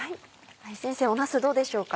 先生なすどうでしょうか？